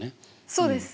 そうです。